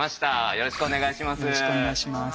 よろしくお願いします。